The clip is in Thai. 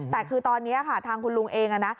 แต่คือตอนนี้ค่ะทางคุณลุงเองนะ